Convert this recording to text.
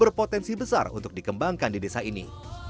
berpotensi besar untuk dikembangkan di desa ini